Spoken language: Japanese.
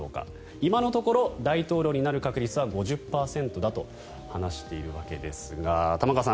今のところ大統領になる確率は５０％だと話しているわけですが玉川さん